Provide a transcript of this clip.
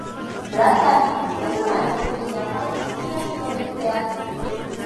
Bra'tac es un maestro de Jaffa y amigo de Teal'c.